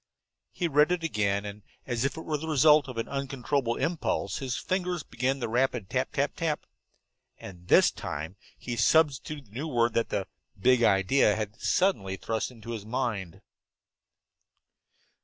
He read it again, and as if it were the result of an uncontrollable impulse, his fingers began the rapid tap tap tap. And this time he substituted the new word that the big idea had suddenly thrust into his mind.